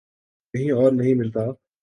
کہیں اور نہیں ملتا۔